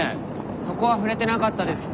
そこは触れてなかったです。